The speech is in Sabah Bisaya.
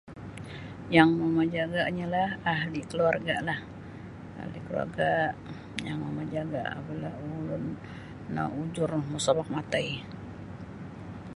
Yang mamajaganya lah ahli keluargalah ahli keluarga yang mamajaga ulun naujur mosomok matai.